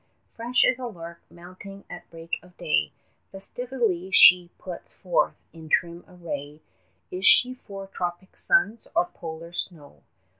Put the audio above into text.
Fresh as a lark mounting at break of day, Festively she puts forth in trim array; Is she for tropic suns, or polar snow?